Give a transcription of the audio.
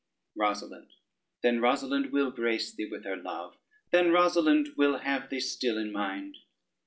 ROSALYNDE Then Rosalynde will grace thee with her love Then Rosalynde will have thee still in mind.